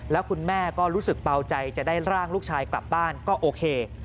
แล้วคุณแม่ก็รู้สึกเบาใจจะได้ร่างลูกชายกลับบ้านก็โอเค